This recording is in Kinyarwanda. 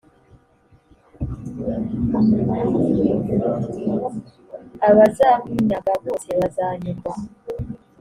abazabunyaga bose bazanyurwa